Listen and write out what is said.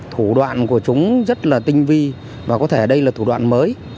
thủ đoạn của chúng rất là tinh vi và có thể đây là thủ đoạn mới